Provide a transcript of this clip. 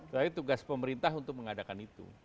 tapi tugas pemerintah untuk mengadakan itu